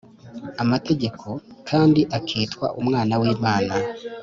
amategeko, kandi akitwa umwana w’Imana